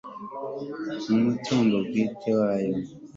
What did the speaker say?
MU MUTUNGO BWITE WAYO